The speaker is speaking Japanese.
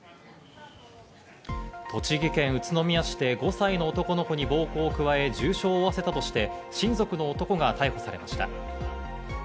栃木県宇都宮市で５歳の男の子に暴行を加え重傷を負わせたとして親族の男が逮捕されました。